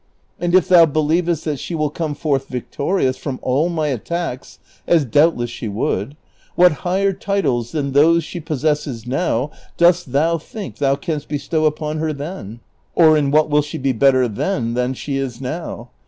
And if thou believest tluit she will come forth victorious from all my attacks — as doubtless she would — what higher titles than those she possesses now dost thou think thou canst bestow upon her then, or in what will she be better then than she is now